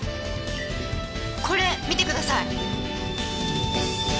これ見てください。